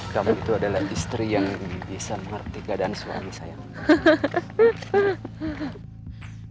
kamu itu adalah istri yang bisa mengerti keadaan suami saya